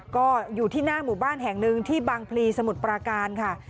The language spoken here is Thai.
ก็อยู่ที่หน้าหมู่บ้านแห่งหนึ่งที่บางพลีสมุทรปราการค่ะ